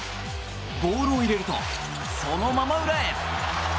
ボールを入れるとそのまま裏へ。